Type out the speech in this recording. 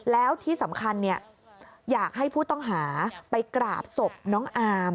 แล้วที่สำคัญอยากให้ผู้ต้องหาไปกราบศพน้องอาม